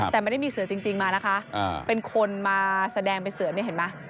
แต่มันไม่ได้มีเสือจริงมานะคะเป็นคนมาแสดงไปเสือเนี่ยเห็นมั้ย